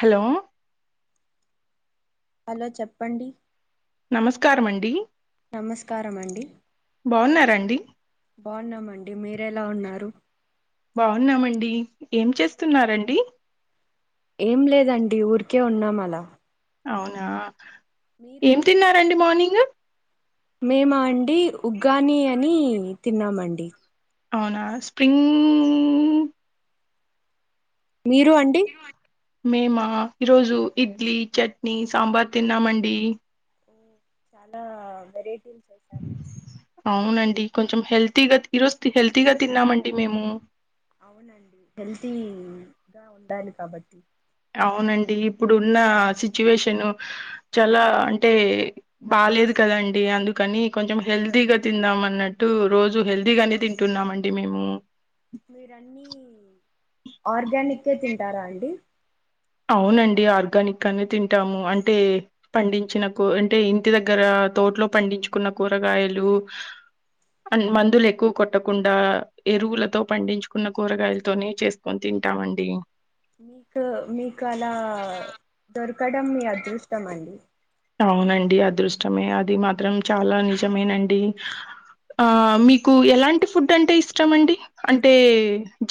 Hello hello చెప్పండి నమస్కారమండి నమస్కారం అండి బాగున్నారండి బాగున్నామండి మీరేలా ఉన్నారు బాగున్నామండి ఏం చేస్తున్నారండి ఏం లేదండి ఊరికే ఉన్నాం అలా అవునా ఏం తిన్నారండి మార్నింగు మేమ అండి ఉగ్గాని అని తిన్నామండి అవునా స్ప్రింగ్ మీరు అండి మేమా ఈరోజు ఇడ్లీ చట్నీ సాంబార్ తిన్నామండి చాలా వెరై [inaudible] అవునండి కొంచెం హెల్తీగా ఈరోజు హెల్తీగా తిన్నామండి మేము అవునండి హెల్తీ గా ఉండాలి కాబట్టి అవునండి ఇప్పుడు ఉన్న సిచ్యువేషన్ చాలా అంటే బాలేదు క కదండి అందుకని కొంచెం హెల్దీగా తిందాం అన్నట్టు రోజు హెల్దీగానే తింటున్నామండీ మేము ఆ మీరున్నీ ఆర్గానిక్ కే తింటారా అండి అవునండి ఆర్గానిక్గానే తింటాము అంటే పండించినకు అంటే ఇంటి దగ్గర మా తోట్లో పండించుకున్న కూరగాయలు మందులు ఎక్కువ కొట్టకుండా ఎరువులతో పండించుకున్న కూరగాయలతోనే చేసుకొని తి విటామండి మీకు మీకు అలా దొరకడం మీ అదృష్టం అండి అవునండి అదృష్టమే అది మాత్రం చాలా నిజమేనండి ఆ మీకు ఎలాంటి ఫుడ్ అంటే ఇష్టామ అండి అంటే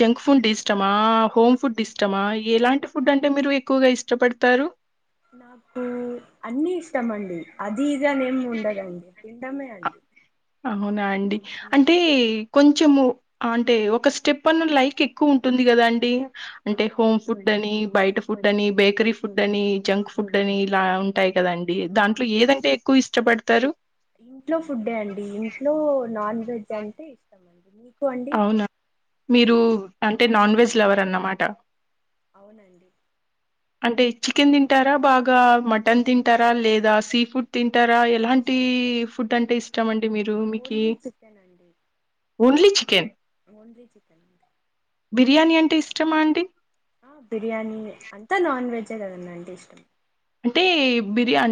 జంక్ ఫుడ్ ఇష్టమా ఆ హోమ్ ఫుడ్ ఇష్టమా ఎలాంటి ఫుడ్ అంటే మీరు ఎక్కువగా ఇష్టపడతారు నాకు అన్ని ఇష్టం అండి అది ఇది ఆనీ ఎమీ ఉండదండి తినమే అండి అవునా అండి ఉమ్, అంటే కొంచెము అంటే ఒక స్టెప్ అన్న లైక్ ఎక్కువ ఉంటుంది కదా అండి ఆ అంటే హోమ్ ఫుడ్ అని బయట ఫుడ్ అని బేకరీ ఫుడ్ అని జంక్ ఉమ్. ఫుడ్ అని ఇలా ఉ ఉంటాయి కదండి దాంట్లో ఏదంటే ఎక్కువ ఇష్టపడతారు ఇంట్లో ఫుడ్డే అండి ఇంట్లో నాన్ వెజ్ అంటే ఇష్టం అండి మీకు కు అండి అవునా! మీరు అంటే నాన్ వెజ్ లెవర్ అన్నమాట అవునండి అంటే చికెన్ తింటారా బాగా మటన్ తింటారా లేదా సీ ఫుడ్ తింటారా ఎలాంటి ఫుడ్ అంటే ఇష్టం అండి మీరు మీకు ఓన్లీ చికెన్ అండి ఓన్లీ చికెన్ ఓన్లీ చికెన్ అంతే బిర్యానీ అంటే ఇష్టమా అండి ఆ బిర్యానీ అంతా నాన్ వెజే కదండి అంటే ఇష్టం అంటే బిర్యా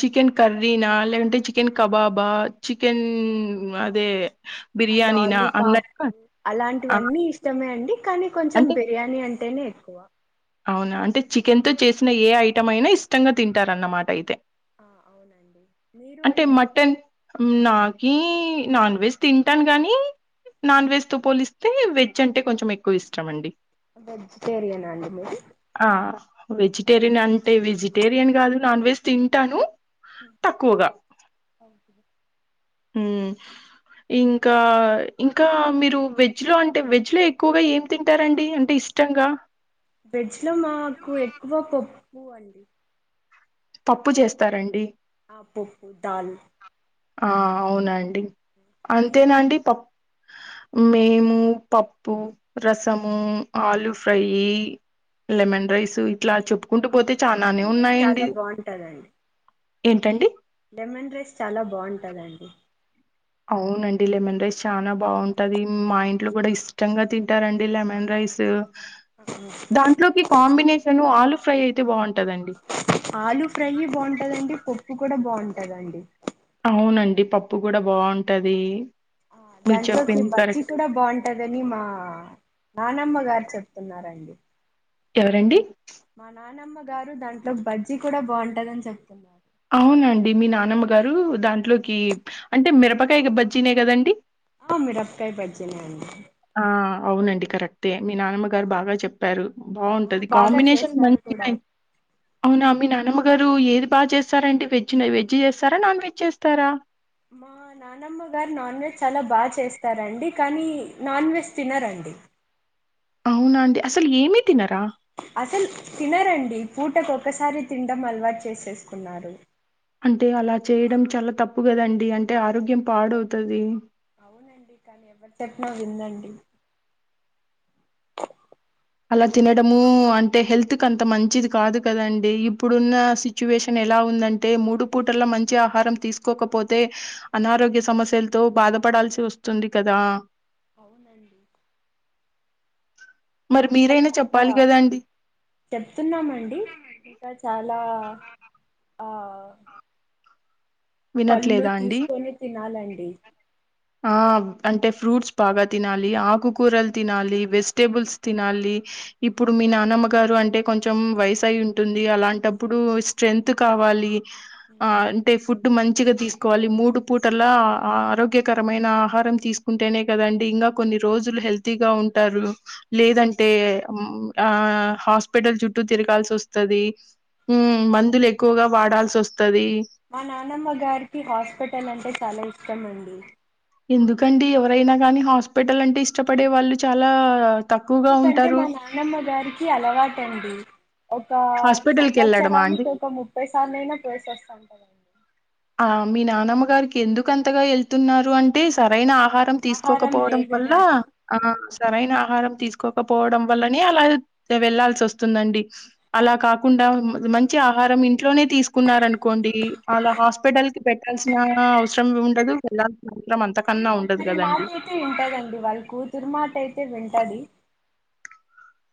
చికెన్ కర్రీనా లేదంటే చికెన్ కబాబా చికెన్ ఉమ్ అదే బిర్యానీనా లాలిపాప్ అన్నట్టుగా ఆ! అలాంటివన్నీ ఇష్టమే అండి కానీ కొంచెం అంటే బిర్యానీ అంటేనే ఎక్కువ అవునా అంటే చికెన్ తో ఉమ్, చేసిన ఏ ఐటం అయినా ఇష్టంగా తింటారన్నమాట అయితే ఆ అవునండి మీరు అంటే అండి మటన్ నాకి నాన్ వెెజ్ తింటాను గానీ నాన్ వెజ్ తో పోలిస్తే వెజ్ అంటే కొంచెం ఎక్కువ ఇష్టం అండి వెజిటేరియన్ అండి మీరు ఆ! వెజిటేరియన్ అంటే వెజిటేరియన్ కాదు నాన్ వెజ్ తింటాను ఉహు తక్కువగా. ఒకే ఉమ్ ఇంకా ఇంకా మీరు వెజ్ లో అంటే వెజ్ లో ఎక్కువగా ఏం తింటారండి అంటే ఇ ఇష్టంగా వెజ్ లో మాకు ఎక్కువ పప్పు అండి పప్పు చేస్తారండి ఆ పప్పు దాల్ ఆ అవునండి మీరు అంతేనండి అండి పప్పు మేము పప్పు రసము ఆలుఫ్రై లెమన్ రైస్ ఇట్లా చెప్పుకుంటూ ఆ పోతే చాలానే లెమన్ రైస్ ఉన్నాయండి చాలా బాగుంటదండి ఏంటండి లెమన్ రైస్ చాలా బావుంటాదండి అవునండి లెమన్ రైస్ చానా బాగుంటది మా ఇంట్లో కూడా ఇష్టంగా తింటారండి లెమన్ రైస్ దాంట్లోకి కాంబినేషన్ ఆలుఫ్రై అయితే బాగుంటదండి ఆలు ఫ్రై బాగుంటదండి పప్పు కూడా బాగుంటదండి అవునండి పప్పు కూడా బాగుంటది దాంట్లోకి బజ్జి కూడా బాగుంటదని మా నానమ్మ గారు చెప్తున్నారండి ఎవరండి మా నానమ్మ గారు దాంట్లో బజ్జీ కూడా బాగుంటందని చెప్తున్నారు అవునండి మీ నానమ్మ గారు దాంట్లోకి అంటే మిరపకాయ బజ్జీనే కదండి ఆ మిరపకాయ బజ్జినే అండి ఆ అవునండి కరెక్టే మీ నానమ్మ గారు బాగా చెప్పారు ఆ బాగుంటది బాగా కాంబినేషన్ చేస్తారు మంచిగా కూడా అవునా మీ నానమ్మ నా నానమ్మ గారు ఏది బాగా చేస్తారంటడి వెజ్ వెజ్ చేస్తారా నాన్ వెజ్ చేస్తారా మా నానమ్మ గారు నాన్ వెజ్ చాలా బాగా చేస్తారండి కానీ నాన్ వెజ్ తినారండి ఆ అవునా అండి అసలు ఏమి తినారా అసలు తినరండి పూటకు ఒకసారి తిండం అలవాటు చేసేసుకున్నారు అంటే అలా చేయడం చాలా తప్పు కదండి అంటే ఆరోగ్యం పాడవుతాది అవునండి కానీ ఎవరు చెప్పినా విందండి అలా తినడము అంటే హెల్త్ కి అంత మంచిది కాదు కదండి ఈ ఇప్పుడున్న సిచ్యువేషన్ ఎలా ఉందంటే అంటే మూడు పూటల మంచి ఆహారం తీసుకోకపోతే అనారోగ్య సమస్యలతో బాధపడాల్సి వస్తు చొంది కదా అవునండి మరి ఇంకా మీరైనా చాలా చెప్పాలి కదండి. చెప్తున్నామండి ఇంకా చాలా ఆ ఆ వినట్లేదా అండి తినాలండి ఆ అంటే ఫ్రూట్స్ బాగా తినాలి ఆకుకూరలు తినాలి వెజిటేబుల్స్ తినాలి ఇప్పుడు మీ మీ నానమ్మ గారు అంటే కొంచెం వయసయి ఉంటుంది అలాంటప్పుడు స్ట్రెంగ్త్ కావాలి ఆ ఉమ్, అంటే ఫుట్ తీసుకోవాలి మూడు పూటల ఆరోగ్యకరమైన ఆహారం తీసుకుంటేనే కదండి ఇంకా కొన్ని రోజులు హెల్తీగా ఉంటారు లేదంటే ఆ హాస్పిటల్ చుట్టూ తి గాల్సి వస్తది ఊమ్ అవునండి మందులు ఎక్కువగా వాడాల్సి వస్తది మా నానమ్మ గారికి హాస్పిటల్ అంటే చాలా ఇష్టం అండి ఎందుకండి ఎవరైనా గానీ హాస్పిటల్ అంటే ఇష్టపడే వాళ్ళు చాలా తక్కువగా ఎందుకంటే ఉంటారు మా నానమ్మ గారికి అలవాటండి ఒక హాస్పిటల్కి వెళ్ళడమా అండి సంవత్సరానికి ఒక ముప్పై సార్లు అయినా పోయే వస్తాది ఆ మీ నానమ్మ గారికి ఎందుకు అంతగా వెళ్తున్నారు అంటే సరైన ఆ ఆహారం ఆహారం తీసుకోకపోవడం వల్ల లేకనే అండి ఆ సరైన ఆహారం తీసుకో కోకపోవడం వల్లనే అలా వెళ్లాల్సి వస్తుందండి అలా కాకుండా మంచి ఆహ రాం ఇంట్లోనే తీసుకున్నారనుకోండి అలా హాస్ప టల్కి పెట్టాల్సిన అవసరం ఉండదు వెళ్ళాల కానీ ఒక్కరి మాట అయితే వింటదండి వాళ్ళ కూతురి మాట అయితే వింటది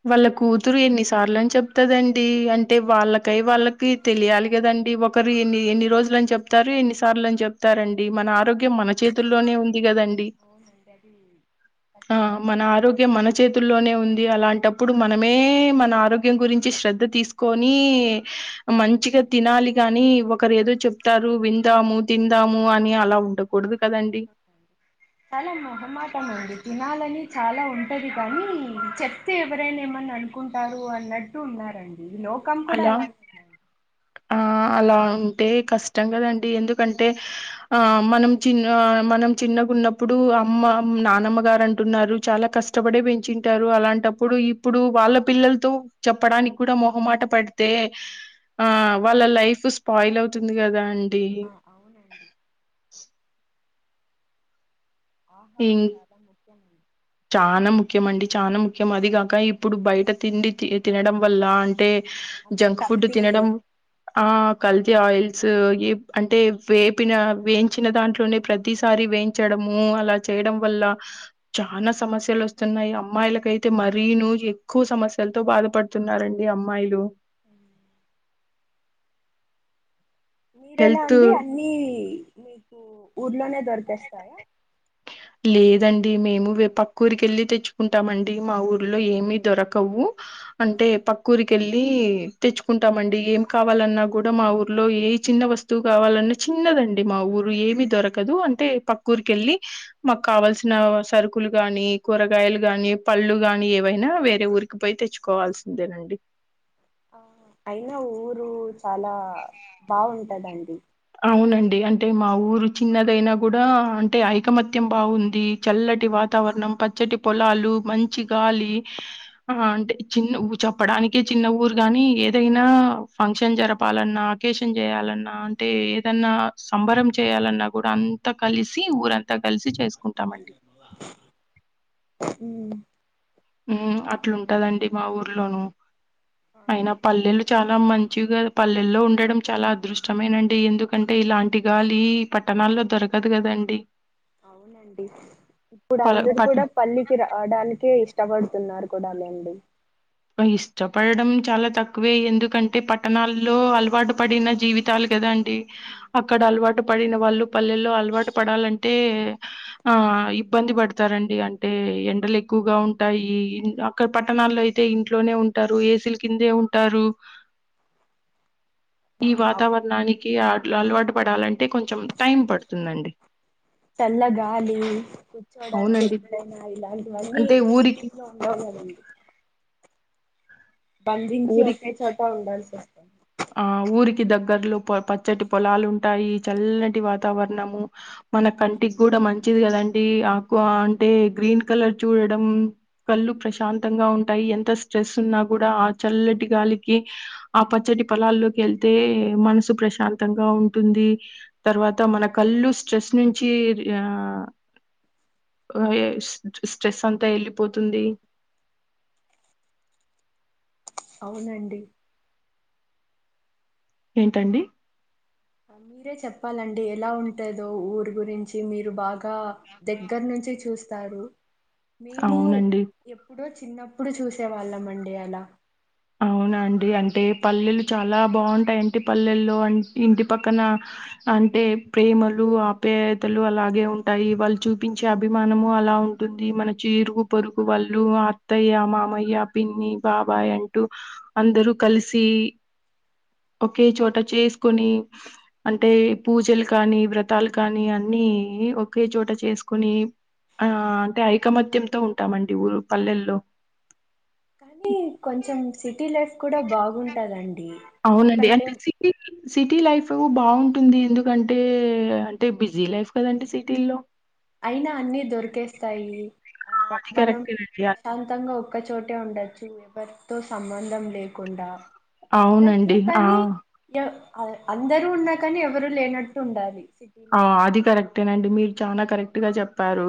వాళ్ళ కూతురు ఎన్నిసార్లుని చెప్తదండి అంటే వాళ్ళకై వాళ్ళకి తెలియాలి కదండి ఒకరు ఎన్ని ఎన్ని రోజులని చెప్తారు ఎన్ని సార్లు అని చెప్తారండి మన ఆరోగ్య మన చేతుల్లోనే ఉంది కదండి అవునండి అది ఆ మన ఖచ్చితంగా ఆరోగ్యం మన చేతుల్లోనే ఉంది అలాంటి అప్పుడు మనమే మన ఆరోగ్యం గురించి శ్రద్ధ తీసుకొని మంచిగా తినాలి గాని ఒకరు ఏదో చెప్తారు విందాము తిందాము అని అలా ఉండకూడదు కదండి. చాలా మొహమాటం అండి తినాలని చాలా ఉంటది కానీ చెప్తే ఎవరైనా ఏమని అనుకుంటారు అన్నట్టు ఉన్నారండి ఈ లోకం కూడా అలా ఎలాందే ఆ అలా ఉంటే కష్టం కదండి ఎందుకంటే ఆ మనం చిన్న మనం చిన్నగా ఉన్నప్పుడు అమ్మ నానమ్మ గారు అంటున్నారు చాలా కష్టపడే పెంచింటారు అలాంటి అలాంటప్పుడు ఇప్పుడు వాళ్ళ పిల్లలతో చెప్పడానికి కూడా మొహమాట పడితే ఆ వాళ్ళ లైఫ్ స్పాయిల్ అవుతుంది కదా అండి ఆ, అవునండి ఆహారం ఉమ్ చాలా ముఖ్యమండి చాలా ముఖ్యమండి చాలా ముఖ్యం అది కాక ఇప్పుడు బయట తిండి తినడం వల్ల అంటే అన్ని జంక్ ఫుడ్ కల్తీ తినడం ఆ కల్తీ ఆయిల్ స్ అంటే వేపిన వేయించిన దాంట్లోనే అవునండి ప్రతిసారి వేయించడము అలా చేయడం వల్ల చానా సమస్యలు వస్తున్నాయి అమ్మాయిలకయితే మరీను ఎక్కువ అవును. సమస్యలతో బాధపడుతున్నారండి అమ్మాయిలు అ మీరెలా హెల్త్ అండి అన్నీ మీకు ఊర్లోనే దొరికేస్తాయా లేదండి మేము పక్క ఉరికెళ్లి తెచ్చుకుంటామండి మా ఊర్లో ఏమి దొరకవు అంటే పక్కుూరి వెళ్ళి తెచ్చుకుంటామండి ఏం కావాలన్నా కూడా మా ఊర్లో ఏ చిన్న వస్తువు కావాలన్నా చిన్నదండి మా ఊరు ఏమి దొరకదు అంటే పక్కురికెళ్లి మాకు కావల్సిన సరుకులు గాని కూరగాయలు గాని పళ్ళు గాని ఏవైనా వేరే ఊరికి పోయి తెచ్చుకోవాల్సిందేనండి ఆ అయినా ఊరు చాలా బాగుంటాదండి అవునండి అంటే మా ఊరు చిన్నదైనా కూడా అంటే ఐకమత్యం బాగుంది చల్లటి వాతావరణం పచ్చటి పొలాలు మంచి గాలి ఆ అంటే చిన్న ఊ చెప్పడానికే చిన్న ఊరు గాని ఏదైనా అ ఫంక్షన్ జరపాలన్నా ఆకేషన్ చేయాలన్నా అంటే ఏదన్నా సంబరం చేయాలన్నా కూడా అంతా కలిసి ఊరంతా కలిసి చేసు అ ఉ అట్లుంటదండి మా ఊర్లోనూ అయినా పల్లెలు చాలా మంచిగా పల్లెల్లో ఉండడం చాలా అదృష్టమేనండి ఎందుకంటే ఇలాంటి గాలి పట్టణాల్లో దొరకదు కదండి అవునండి ఇప్పుడు అందరు పట్ కూడా పల్లికి రావడానికే ఇష్టపడు తున్నారు కూడా లేండి ఇష్టపడడం చాలా తక్కువ తక్కువే ఎందుకంటే పట్టణాల్లో అలవాటు పడిన జీవితాలు కదా అండి అక్కడ అలవాటు పడి పడిన వాళ్ళు పల్లెల్లో అలవాటు పడాలంటే ఆ ఇబ్బంది పడతారండి అంటే ఎండలు ఎక్కువగా ఉంటాయి అక్కడ పట్టణాల్లోయితే అయితే ఇంట్లోనే ఉంటారు ఏసీలు కిందే ఉంటారు ఈ అవును వాతావరణానికి అలవాటు పడాలంటే కొంచెం టైం పడుతుందండి చల్ల గాలి కూర్చోడానికి అవునండి ఎక్కడైనా ఇలాంటివన్నీ అంటే ఊరికి సిటీలో ఉండవ్ కదండి [inaudible] బంధించి ఊరికి ఒకచ్చే చోట ఉండాల్సి వస్తాంది ఆ ఊరికి దగ్గర్లు పొ పచ్చటి పొలాలు ఉంటాయి చల్లటి వాతావరణము మన కంటికి కూడా మంచిది కదండి ఆకు అంటే గ్రీన్ కలర్ చూడడం కళ్ళు ప్రశాంతంగా ఉంటాయి ఎంత స్ట్రెస్ ఉన్నా కూడా ఆ చల్లటి గాలికి ఆ పచ్చటి పొలాల్లోకి వెళ్తే మనసు ప్రశాంతంగా ఉంటుంది తర్వాత మన కళ్ళు స్ట్రెస్ నుచి య్య స్ట్రెస్ అంతా వెళి పోతుంది అవునండి ఏంటండి మీరే చెప్పాలండి ఎలా ఉంటందో ఊరు గురించి మీరు బాగా బాగా దగ్గర నుంచి చూస్తారు మేము అవునండి ఎప్పుడో చిన్నప్పుడు చూసే వాళ్ళం అండి అలా అవు అవునా అండి అంటే పల్లెలు చాలా బాగుంటాయింటి పల్లెల్లో ఇంటి పక్కన అంటే ప్రేమలు ఆప్యాయతలు అలాగే ఉంటాయి వాళ్ళు చూపించే అభిమానము అలా ఉంటుంది మన చీరుగు పొరుగు వాళ్ళు అత్తయ్య మామయ్య పిన్ని బాబాయ్ అం టు అందరూ కలిసి ఒకే చోట చేసుకొని అంటే పూజలు కానీ వ్రతాలు కానీ అ నీ ఒకే చోట చేసుకుని ఆ అంటే ఐకమత్యంతో ఉంటామండి ఊరు పల్లెల్లో కానీ కొంచెం సిటీ లైఫ్ కూడా బాగుంటదండి అవునండి. ఎందుకంటే అంటే సిటీ సిటీ లైఫ్ బాగుంటుంది ఎందుకంటే అంటే బిజీ లైఫ్ కదండి సిటీల్లో అయినా అన్ని దొరికేస్తాయి. ఆ అది మనం కరెక్టేనండి. అ ప్రశాంతంగా ఒక్కచోటే ఉండొచ్చు ఎవర్ తో సంబంధం లేకుండా ఉండొచ్చు అవునండి. ఆ! కానీ ఎవ్ అ అందరు ఉన్నా కానీ ఎవరు లేనట్టు ఉండాలి. సిటీలో ఆ ఉంటే అది కరెక్టేనండి మీరు చానా కరెక్ట్ గా చెప్పారు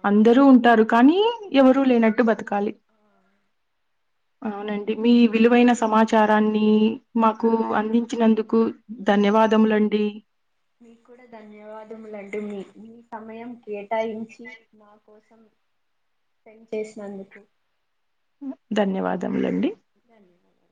అవును. అందరూ ఉంటారు. కానీ ఎవరూ లేనట్టు బతకాలి ఆ, అవునండి మీ విలువైన సమాచారాన్ని మాకు అందించినందుకు ధన్య వాదములండి. మీ కూడా ధన్యవాదములండి మీ సమయం కేటాయించి నా కోసం [inaudible] స్పెండ్ చేసినందుకు ధన్యవాదములండి. ధన్యవాదాలు